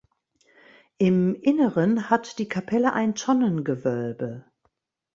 Im Inneren hat die Kapelle ein Tonnengewölbe.